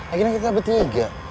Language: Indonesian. akhirnya kita bertiga